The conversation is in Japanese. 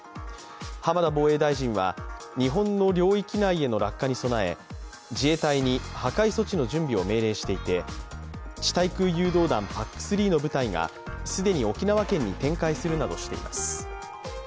浜田防衛大臣は日本の領域内への落下に備え自衛隊に破壊措置の準備を命令していて地対空誘導弾ＰＡＣ−３の部隊が既に沖縄県に展開するなどしています。